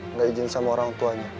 nggak izin sama orang tuanya